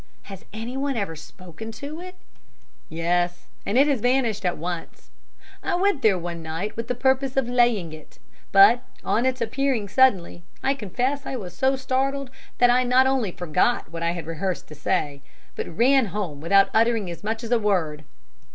"Has anyone ever spoken to it?" "Yes and it has vanished at once. I went there one night with the purpose of laying it, but, on its appearing suddenly, I confess I was so startled, that I not only forgot what I had rehearsed to say, but ran home, without uttering as much as a word."